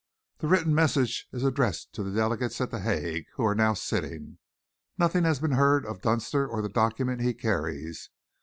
That written message is addressed to the delegates at The Hague, who are now sitting. Nothing had been heard of Dunster or the document he carries.